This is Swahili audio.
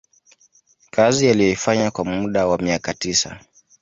kazi aliyoifanya kwa muda wa miaka tisa